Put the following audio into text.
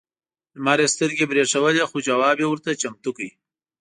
لمر یې سترګې برېښولې خو ځواب یې ورته چمتو کړ.